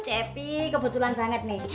cepi kebetulan banget nih